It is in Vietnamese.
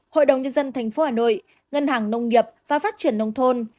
hội đồng nhân dân thành phố hà nội ngân hàng nông nghiệp và phát triển nông thôn